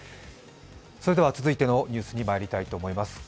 続いてのニュースにまいりたいと思います。